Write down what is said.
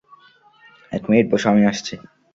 এক মিনিট বসো, আমি আসছি।